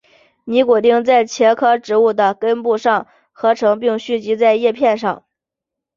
尼古丁在茄科植物的根部上合成并蓄积在叶片上。